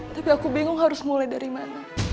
tapi aku bingung harus mulai dari mana